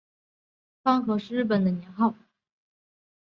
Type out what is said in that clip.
宽和是日本的年号。